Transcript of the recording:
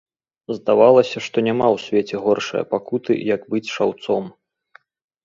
Здавалася, што няма ў свеце горшае пакуты, як быць шаўцом.